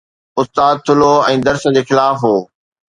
استاد ٿلهو ۽ درس جي خلاف هو